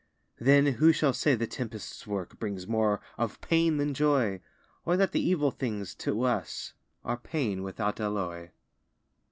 Then who shall say the tempest's work Brings more of pain than joy; Or that the evil things, to us Are pain, without alloy?